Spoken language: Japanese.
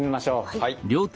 はい。